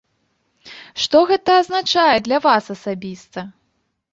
Што гэта азначае для вас асабіста?